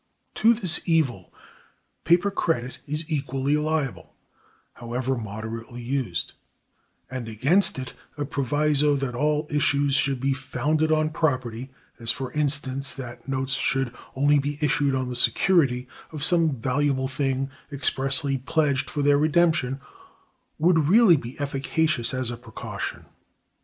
To this evil paper credit is equally liable, however moderately used; and against it, a proviso that all issues should be "founded on property," as for instance that notes should only be issued on the security of some valuable thing, expressly pledged for their redemption, would really be efficacious as a precaution.